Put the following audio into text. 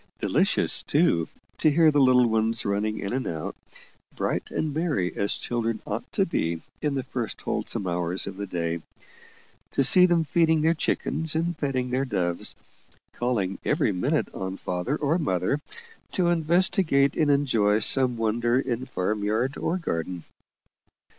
Delicious, too, to hear the little ones running in and out, bright and merry as children ought to be in the first wholesome hours of the day to see them feeding their chickens and petting their doves calling every minute on father or mother to investigate and enjoy some wonder in farm yard or garden.